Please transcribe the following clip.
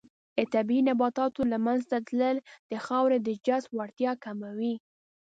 د طبیعي نباتاتو له منځه تلل د خاورې د جذب وړتیا کموي.